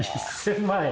１０００万円！